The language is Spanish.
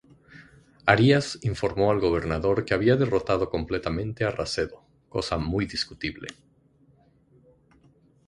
Arias informó al gobernador que había derrotado completamente a Racedo, cosa muy discutible.